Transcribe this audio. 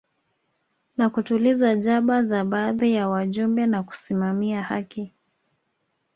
Na kutuliza jazba za baadhi ya wajumbe na kusimamia haki